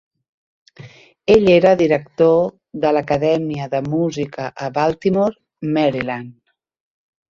Ell era el director de l"Acadèmia de Música a Baltimore, Maryland.